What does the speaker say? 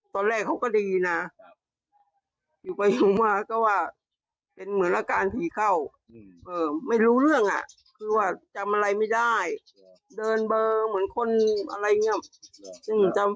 ฉันก็ไม่เชื่อนะฉันว่าเป็นที่สมองมากกว่า